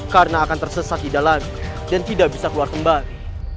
karena akan tersesat di dalam dan tidak bisa keluar kembali